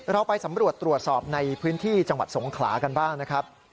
เราไปสำรวจตรวจสอบในพื้นที่จังหวัดสงขลากันบ้างนะครับ